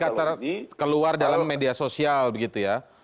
ketika keluar dalam media sosial begitu ya